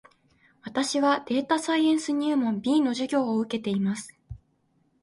私はデータサイエンス入門 B の授業を受けています